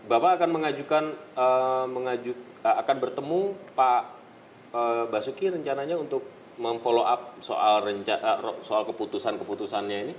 bapak akan mengajukan akan bertemu pak basuki rencananya untuk memfollow up soal keputusan keputusannya ini